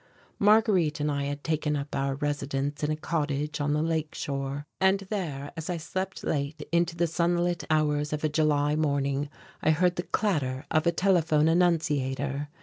Marguerite and I had taken up our residence in a cottage on the lake shore, and there as I slept late into the sunlit hours of a July morning, I heard the clatter of a telephone annunciator.